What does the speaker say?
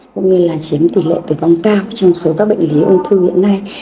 cũng như là chiếm tỷ lệ tử vong cao trong số các bệnh lý ung thư hiện nay